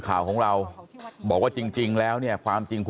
โบราณวิทยาเช็ค